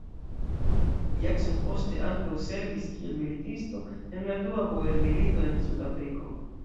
Jackson poste ankaŭ servis kiel militisto en la dua Boer-milito en Sud-Afriko.